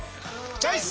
チョイス！